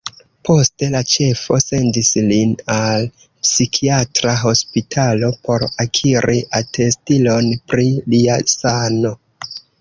Poste la ĉefo sendis lin al psikiatra hospitalo por akiri atestilon pri lia sano.